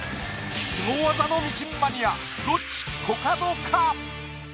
すご技のミシンマニアロッチ・コカドか？